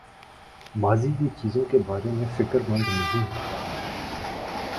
ماضی کی چیزوں کے بارے میں فکر مند نہیں ہوتا